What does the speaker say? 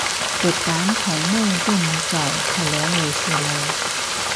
極簡同咩都唔做係兩回事嚟